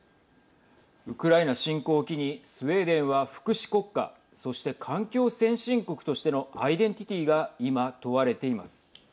ウクライナ侵攻を機にスウェーデンは福祉国家そして、環境先進国としてのアイデンティティーが今、問われています。